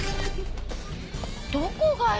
どこがよ！